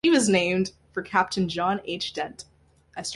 She was named for Captain John H. Dent.